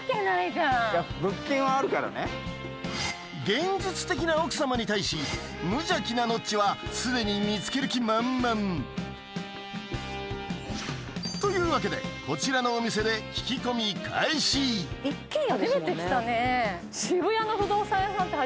現実的な奥様に対し無邪気なノッチはすでに見つける気満々というわけでこちらのお店で聞き込み開始ノッチ夫婦の条件は